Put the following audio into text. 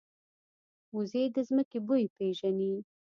وزې د ځمکې بوی پېژني